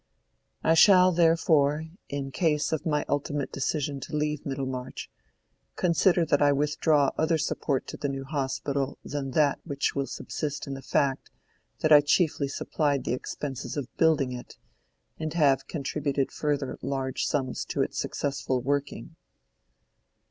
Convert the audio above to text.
I shall therefore, in case of my ultimate decision to leave Middlemarch, consider that I withdraw other support to the New Hospital than that which will subsist in the fact that I chiefly supplied the expenses of building it, and have contributed further large sums to its successful working."